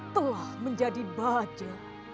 telah menjadi baja